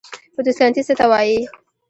فوتوسنتیز څه ته وایي؟